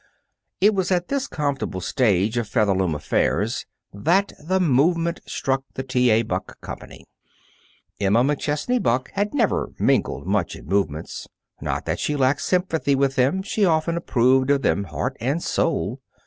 It was at this comfortable stage of Featherloom affairs that the Movement struck the T. A. Buck Company. Emma McChesney Buck had never mingled much in movements. Not that she lacked sympathy with them; she often approved of them, heart and soul.